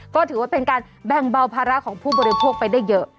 ก็ถือว่าเป็นการแบ่งเบาภาระของผู้บริโภคไปได้เยอะ